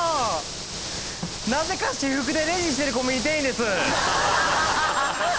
なぜか私服でレジしてるコンビニ店員です。